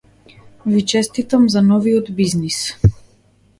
Ви честитам за новиот бизнис.